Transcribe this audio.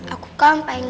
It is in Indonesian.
aku kan pengen